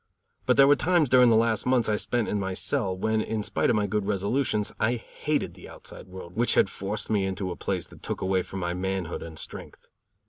But there were times during the last months I spent in my cell, when, in spite of my good resolutions, I hated the outside world which had forced me into a place that took away from my manhood and strength.